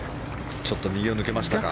ちょっと右を抜けましたか。